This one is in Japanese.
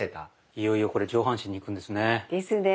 いよいよこれ上半身にいくんですね。ですねぇ。